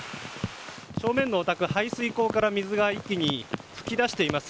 正面のお宅、排水溝から水が一気に噴き出しています。